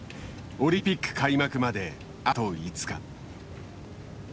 オリンピック開幕まであと５日。